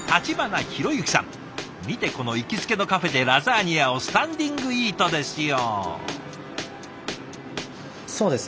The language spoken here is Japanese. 見てこの行きつけのカフェでラザニアをスタンディングイートですよ。